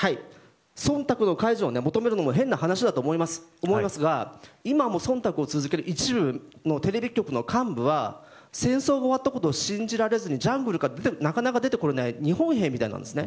忖度の解除を求めるのも変な話だとは思いますが今も忖度を続ける一部のテレビ局幹部は戦争が終わったことを信じられずにジャングルからなかなか出てこれない日本兵みたいなんです。